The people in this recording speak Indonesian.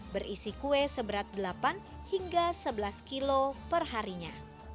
berisi kue seberat delapan hingga sebelas kilo perharinya